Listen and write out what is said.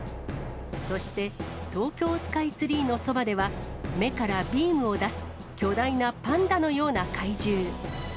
そして東京スカイツリーのそばでは、目からビームを出す巨大なパンダのような怪獣。